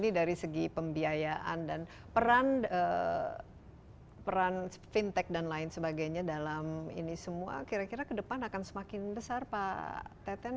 dari segi pembiayaan dan peran fintech dan lain sebagainya dalam ini semua kira kira ke depan akan semakin besar pak teten